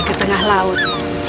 ke tengah laut